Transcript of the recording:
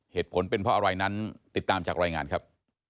เหตุผลเป็นเพราะอะไรนั้นติดตามจากรายงานครับ